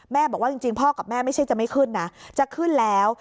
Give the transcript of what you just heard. บอกว่าจริงพ่อกับแม่ไม่ใช่จะไม่ขึ้นนะจะขึ้นแล้ว